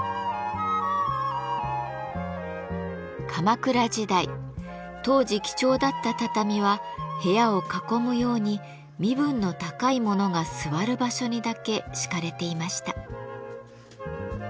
鎌倉時代当時貴重だった畳は部屋を囲むように身分の高い者が座る場所にだけ敷かれていました。